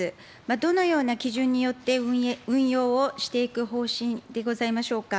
どのような基準によって運用をしていく方針でございましょうか。